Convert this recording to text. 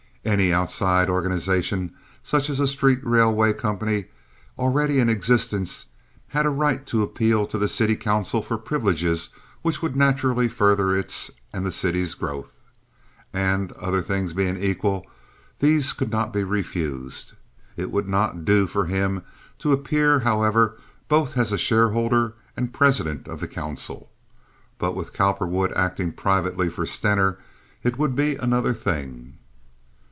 Any outside organization such as a street railway company already in existence had a right to appeal to the city council for privileges which would naturally further its and the city's growth, and, other things being equal, these could not be refused. It would not do for him to appear, however, both as a shareholder and president of the council. But with Cowperwood acting privately for Stener it would be another thing.